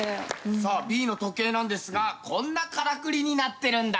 さあＢの時計なんですがこんなからくりになってるんだ。